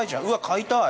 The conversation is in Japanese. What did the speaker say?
飼いたい。